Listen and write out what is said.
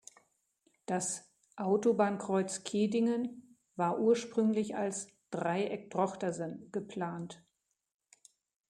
Das "Autobahnkreuz Kehdingen" war ursprünglich als "Dreieck Drochtersen" geplant.